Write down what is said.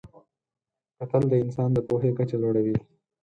کتل د انسان د پوهې کچه لوړوي